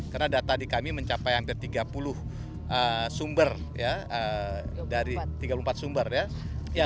karena data di kami mencapai hampir tiga puluh sumber tiga puluh empat sumber ya